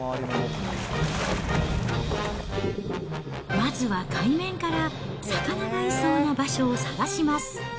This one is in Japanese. まずは海面から、魚がいそうな場所を探します。